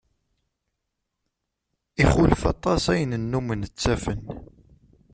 Ixulef aṭas ayen nnumen ttafen.